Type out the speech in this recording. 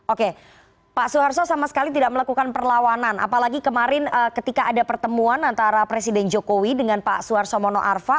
oke pak soeharto sama sekali tidak melakukan perlawanan apalagi kemarin ketika ada pertemuan antara presiden jokowi dengan pak suarso mono arfa